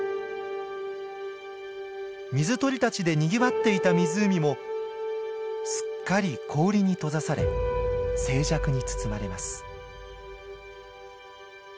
水鳥たちでにぎわっていた湖もすっかり氷に閉ざされ静寂に包まれます。